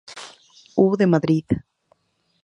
U. de Madrid.